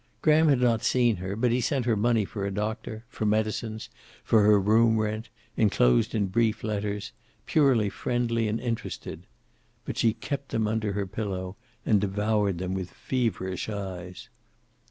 Graham had not seen her, but he sent her money for a doctor, for medicines, for her room rent, enclosed in brief letters, purely friendly and interested. But she kept them under her pillow and devoured them with feverish eyes.